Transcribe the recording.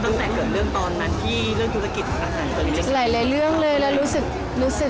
อ๋อแสดงว่าตั้งแต่เกิดเรื่องตอนนั้นที่เรื่องธุรกิจของทางสรรค์เกิดไปเรื่อย